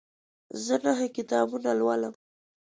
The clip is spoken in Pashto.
زه نهه کتابونه لولم.